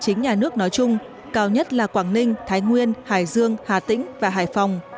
chính nhà nước nói chung cao nhất là quảng ninh thái nguyên hải dương hà tĩnh và hải phòng